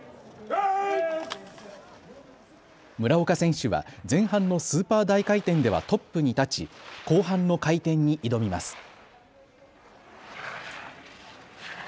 村岡選手は前半のスーパー大回転ではトップに立ち後半の回転に挑みます。